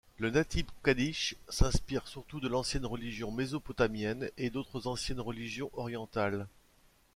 Le Natib Qadish s'inspire surtout de l'ancienne religion mésopotamienne et d'autres anciennes religions orientales.